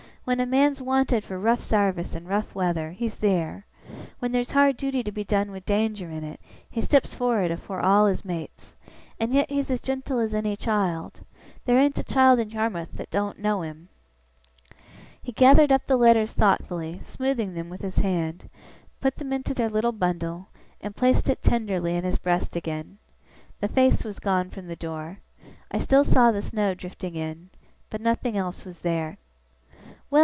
When a man's wanted for rough sarvice in rough weather, he's theer. When there's hard duty to be done with danger in it, he steps for'ard afore all his mates. And yet he's as gentle as any child. There ain't a child in Yarmouth that doen't know him.' He gathered up the letters thoughtfully, smoothing them with his hand; put them into their little bundle; and placed it tenderly in his breast again. The face was gone from the door. I still saw the snow drifting in; but nothing else was there. 'Well!